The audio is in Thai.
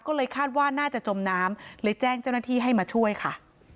ก็เลยคาดว่าน่าจะจมน้ำเลยแจ้งเจ้าหน้าที่ให้มาช่วยค่ะ